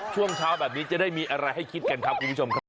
ช่วงเช้าแบบนี้จะได้มีอะไรให้คิดกันครับคุณผู้ชมครับ